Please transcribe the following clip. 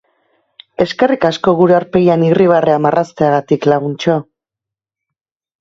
Eskerrik asko gure aurpegian irribarrea marrazteagatik, laguntxo.